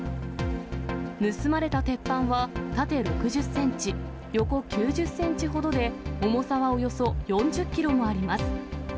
盗まれた鉄板は縦６０センチ、横９０センチほどで、重さはおよそ４０キロもあります。